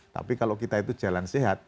tapi kalau kita itu jalan sehat